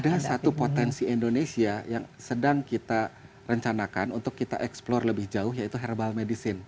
ada satu potensi indonesia yang sedang kita rencanakan untuk kita eksplore lebih jauh yaitu herbal medicine